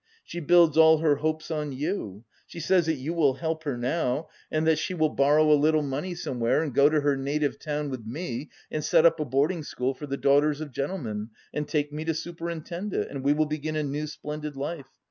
She builds all her hopes on you; she says that you will help her now and that she will borrow a little money somewhere and go to her native town with me and set up a boarding school for the daughters of gentlemen and take me to superintend it, and we will begin a new splendid life.